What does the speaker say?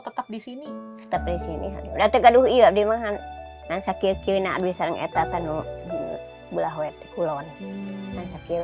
tetap disini tetep disini berarti kaduh iya di mahal dan sakit kina bisa ngetah tanu belah weti kulon